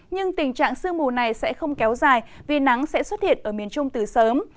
nhưng tình trạng sương mù này sẽ không kéo dài vì nắng sẽ xuất hiện ở miền trung từ sớm